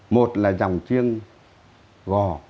một là dòng chiêng gò